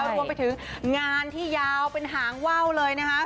รวมไปถึงงานที่ยาวเป็นหางว่าวเลยนะคะ